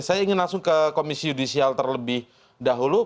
saya ingin langsung ke komisi yudisial terlebih dahulu